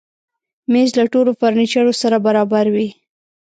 مېز له ټولو فرنیچرو سره برابر وي.